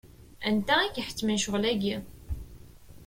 Anta i k-iḥettmen ccɣel-agi?